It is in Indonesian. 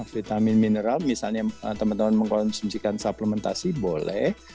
vitamin mineral misalnya teman teman mengkonsumsi kan suplementasi boleh